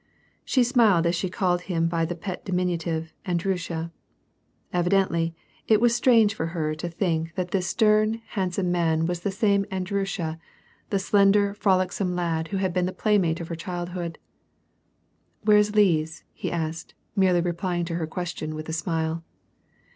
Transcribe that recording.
She smiled as she called him by the pet diminutive, " Andry nsha." Evidently, it was strange for her to think that this 122 WAR AND PEACE. stern, handsome man was the same Andryusha, the slender, frolicsome lad who had been the playmate of her^^hildhood. " Where is Lise," he asked, merely replying to her question with a smile.